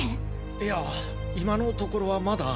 いや今のところはまだ。